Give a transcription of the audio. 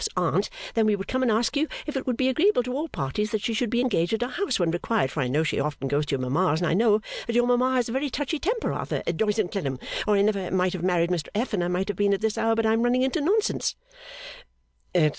's Aunt then we would come and ask you if it would be agreeable to all parties that she should be engaged at our house when required for I know she often goes to your mama's and I know that your mama has a very touchy temper Arthur Doyce and Clennam or I never might have married Mr F. and might have been at this hour but I am running into nonsense.